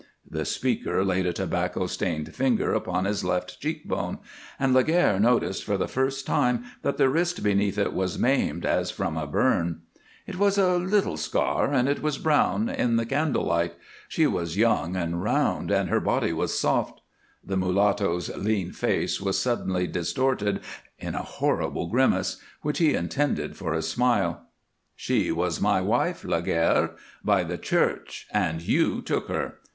The speaker laid a tobacco stained finger upon his left cheek bone, and Laguerre noticed for the first time that the wrist beneath it was maimed as from a burn. "It was a little scar and it was brown, in the candle light. She was young and round and her body was soft " The mulatto's lean face was suddenly distorted in a horrible grimace which he intended for a smile. "She was my wife, Laguerre, by the Church, and you took her.